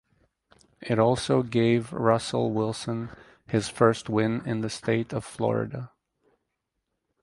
It also gave Russell Wilson his first win in the state of Florida.